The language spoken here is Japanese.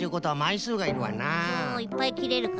いっぱいきれるからね。